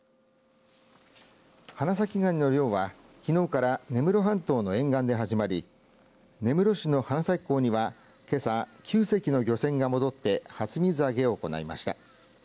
花咲ガニの漁はきのうから根室半島の沿岸で始まり根室市の花咲港にはけさ、９隻の漁船が戻って初水揚げを行いました。